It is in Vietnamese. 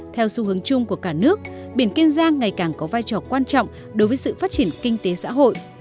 theo xu hướng chung của cả nước biển kiên giang ngày càng có vai trò quan trọng đối với sự phát triển kinh tế xã hội